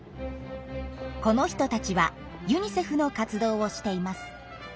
この人たちはユニセフの活動をしています。